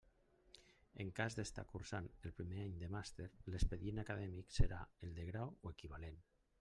En cas d'estar cursant el primer any de màster, l'expedient acadèmic serà el del grau o equivalent.